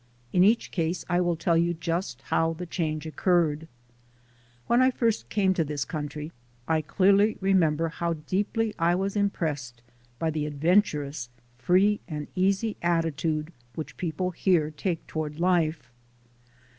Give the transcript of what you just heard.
In each case I will tell you just how the change occurred. When I first came to this country, I clearly remember how deeply I was impressed by the adventurous, free and easy attitude which people here take toward life.